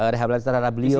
rehab latar beliau